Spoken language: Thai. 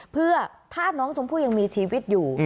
เพื่อถ้าน้องชมพู่ยังมีชีวิตอยู่